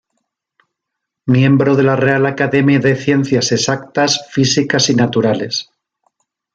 Miembro de la Real Academia de Ciencias Exactas, Físicas y Naturales.